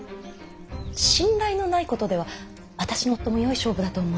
信頼のないことでは私の夫もよい勝負だと思うのですが。